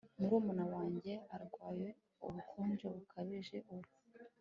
Murumuna wanjye arwaye ubukonje bukabije ubu